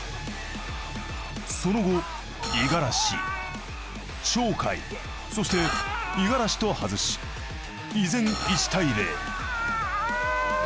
その後五十嵐鳥海そして五十嵐と外し依然１対０。